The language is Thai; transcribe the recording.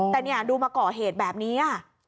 แต่นี่ดูมาก่อเหตุแบบนี้